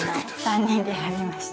３人で選びました。